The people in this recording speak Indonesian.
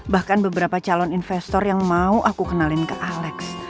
bahkan beberapa calon investor yang mau aku kenalin ke alex